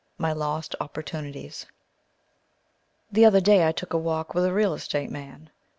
My Lost Opportunities_ THE other day I took a walk with a real estate man.